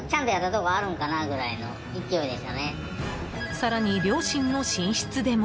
更に、両親の寝室でも。